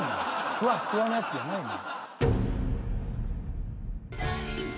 ふわっふわのやつじゃないねん。